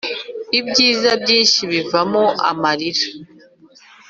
ibyiza byinshi bivamo amarira